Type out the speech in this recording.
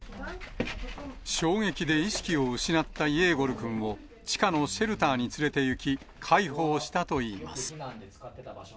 衝撃で意識を失ったイェーゴルくんを地下のシェルターに連れていき、介抱したといいます。